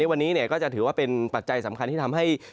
วันนี้ก็จะถือว่าเป็นปัจจัยสำคัญที่ทำให้